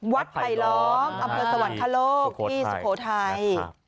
ไผลล้อมอำเภอสวรรคโลกที่สุโขทัย